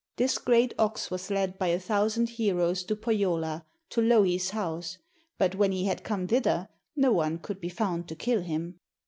This great ox was led by a thousand heroes to Pohjola, to Louhi's house, but when he had come thither, no one could be found to kill him.